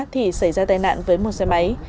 thì xảy ra tai nạn với một xe máy